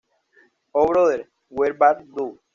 O Brother, Where Bart Thou?